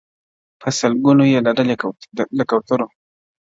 • په سلګونو یې لرلې له کوترو -